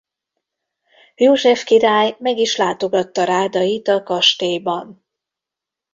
József király meg is látogatta Rádayt a kastélyban.